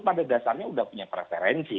pada dasarnya sudah punya preferensi